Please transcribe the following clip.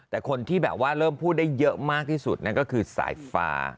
แต่คนที่แบบว่าเริ่มพูดได้เยอะมากที่สุดนั่นก็คือสายฟ้า